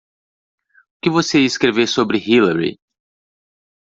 O que você ia escrever sobre Hillary?